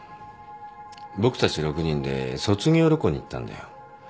僕たち６人で卒業旅行に行ったんだよ。